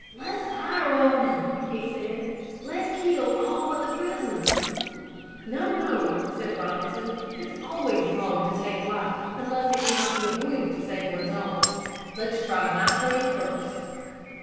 "Let's fire on them," he said. "Let's kill all but the prisoners." "No, no," said Robinson, "it's always wrong to take life unless it cannot be avoided to save one's own. Let's try my plan first."